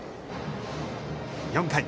４回。